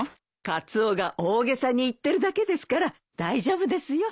カツオが大げさに言ってるだけですから大丈夫ですよ。